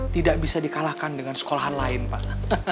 tidak bisa dikalahkan dengan sekolahan lain pak